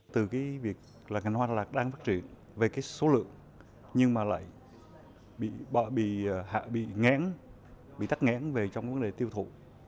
từ việc là ngành hoa đà lạt đang phát triển về số lượng nhưng mà lại bị ngán bị tắt ngán về trong vấn đề tiêu thụ